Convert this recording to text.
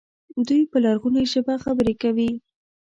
دوی په لرغونې ژبه خبرې کوي.